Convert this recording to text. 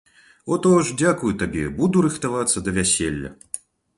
О то ж дзякую табе, буду рыхтавацца да вяселля.